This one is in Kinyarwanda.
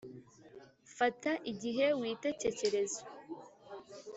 fata igihe witekekerezo